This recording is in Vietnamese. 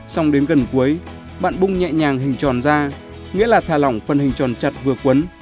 xong đến gần cuối bạn bung nhẹ nhàng hình tròn ra nghĩa là thà lỏng phần hình tròn chặt vừa quấn